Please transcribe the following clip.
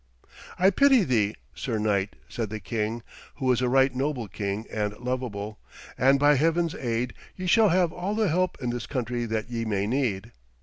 'I pity thee, sir knight,' said the king, who was a right noble king and lovable, 'and by Heaven's aid, ye shall have all the help in this country that ye may need.'